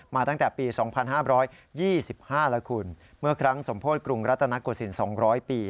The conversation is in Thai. ตั้งแต่ปี๒๕๒๕แล้วคุณเมื่อครั้งสมโพธิกรุงรัตนโกศิลป์๒๐๐ปี